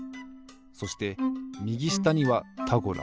そしてみぎしたには「タゴラ」。